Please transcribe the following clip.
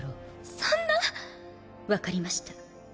そんな分かりました